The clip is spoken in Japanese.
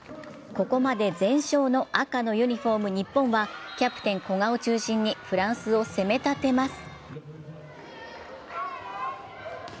ここまで全勝の赤のユニフォーム、日本はキャプテン・古賀を中心にフランスを攻めたてます。